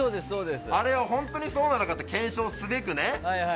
あれを本当にそうなのかって検証すべくね